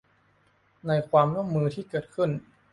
ในความร่วมมือที่เกิดขึ้น